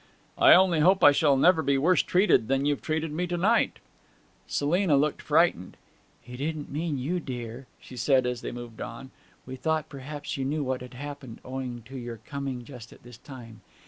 'I only hope I shall never be worse treated than you've treated me to night!' Selina looked frightened. 'He didn't mean you, dear,' she said as they moved on. 'We thought perhaps you knew what had happened, owing to your coming just at this time.